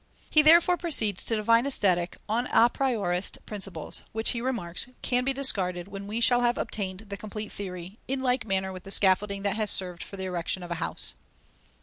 He therefore proceeds to define Aesthetic on apriorist principles, which, he remarks, can be discarded when we shall have obtained the complete theory, in like manner with the scaffolding that has served for the erection of a house.